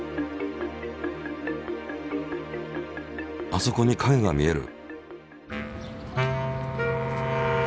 あそこに影が見える！